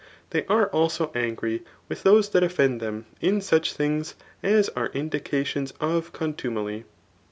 They are also angry with those that offend Aem in such things as are indications of contumely.